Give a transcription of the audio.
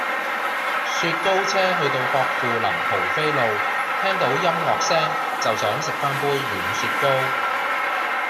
雪糕車去到薄扶林蒲飛路聽到音樂聲就想食返杯軟雪糕